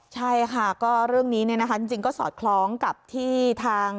ใช่ค่ะก็เรื่องนี้จริงก็สอดคล้องกับที่ทาง